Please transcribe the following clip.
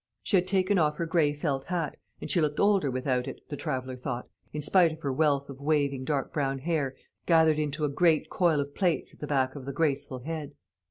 She had taken off her gray felt hat, and she looked older without it, the traveller thought, in spite of her wealth of waving dark brown hair, gathered into a great coil of plaits at the back of the graceful head.